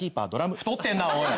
太ってるなおい！